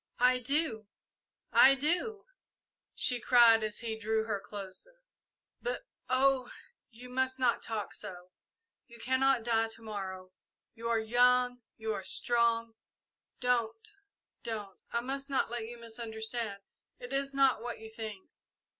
"I do I do," she cried, as he drew her closer; "but, oh, you must not talk so! You cannot die to morrow you are young you are strong! Don't! Don't! I must not let you misunderstand! It is not what you think!"